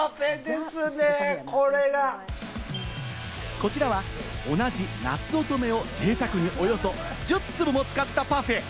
こちらは同じ、なつおとめをぜいたくにおよそ１０粒も使ったパフェ。